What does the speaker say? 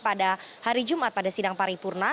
pada hari jumat pada sidang paripurna